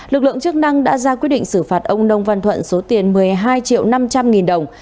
lực lượng chức năng đã ra quyết định xử phạt ông nông văn thuận số tiền một mươi hai triệu năm trăm linh nghìn đồng